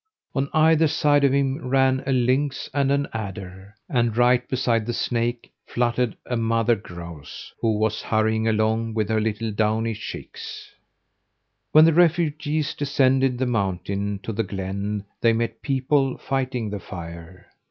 On either side of him ran a lynx and an adder, and right beside the snake fluttered a mother grouse who was hurrying along with her little downy chicks. When the refugees descended the mountain to the glen they met people fighting the fire.